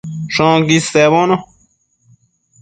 Shoquid sebono